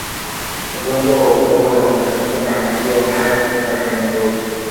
Ugonjwa wa upele huambukizwa na mdudu ambaye hupenya kwenye ngozi